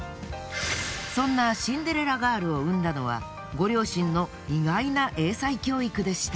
そんなシンデレラガールを生んだのはご両親の意外な英才教育でした。